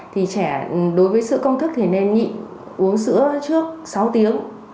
thì trẻ đối với sữa công thức thì nên nhị uống sữa trước sáu tiếng